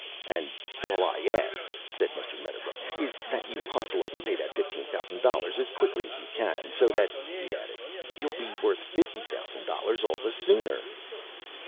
"And all I ask," said Mr. Medderbrook, "is that you hustle up and pay that fifteen thousand dollars as quick as you can. So that," he added, "you'll be worth fifty thousand dollars all the sooner."